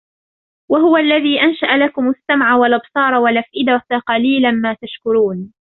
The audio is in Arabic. وَهُوَ الَّذِي أَنْشَأَ لَكُمُ السَّمْعَ وَالْأَبْصَارَ وَالْأَفْئِدَةَ قَلِيلًا مَا تَشْكُرُونَ